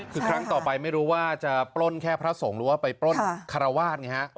คือครั้งต่อไปไม่รู้ว่าจะปล้นแค่พระสงฆ์หรือว่าไปปล้นคารวาสไงฮะ